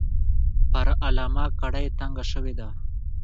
پر علامه کړۍ تنګه شوې ده.